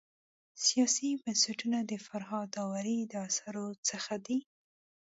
سیاسي بنسټونه د فرهاد داوري د اثارو څخه دی.